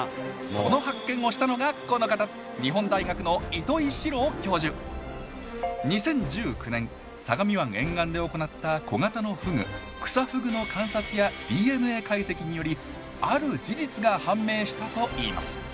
その発見をしたのがこの方２０１９年相模湾沿岸で行った小型のフグクサフグの観察やＤＮＡ解析によりある事実が判明したといいます